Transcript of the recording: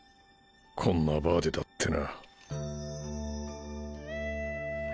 こんなバーでだってな。